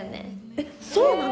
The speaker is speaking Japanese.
えっそうなの？